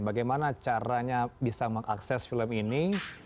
bagaimana caranya bisa mengakses film ini